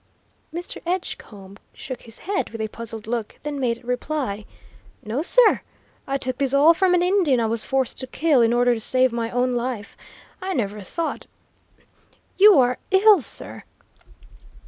Mr. Edgecombe shook his head, with a puzzled look, then made reply: "No, sir. I took these all from an Indian I was forced to kill in order to save my own life. I never thought You are ill, sir?"